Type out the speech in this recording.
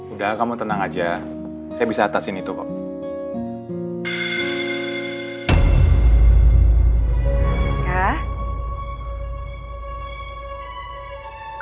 udah kamu tenang aja saya bisa atasin itu kok